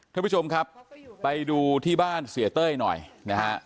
ท่านผู้ชมครับไปดูที่บ้านเสียเต้ยหน่อยนะฮะ